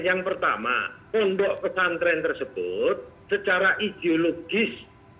yang pertama pondok pesantren tersebut secara ideologis